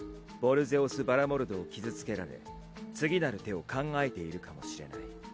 ヴォルゼオス・バラモルドを傷つけられ次なる手を考えているかもしれない。